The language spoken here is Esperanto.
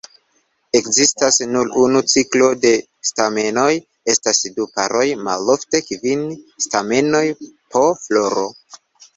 Ekzistas nur unu cirklo de stamenoj, estas du paroj, malofte kvin stamenoj po floro.